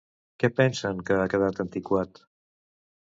Què pensen que ha quedat antiquat?